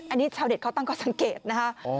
อันนี้ชาวเน็ตเขาตั้งข้อสังเกตนะคะ